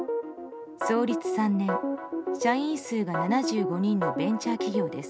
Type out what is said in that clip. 創立３年、社員数が７５人のベンチャー企業です。